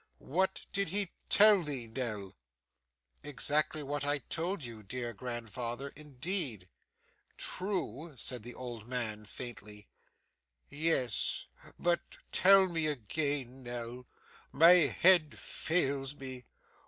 What did he tell thee, Nell?' 'Exactly what I told you, dear grandfather, indeed.' 'True,' said the old man, faintly. 'Yes. But tell me again, Nell. My head fails me.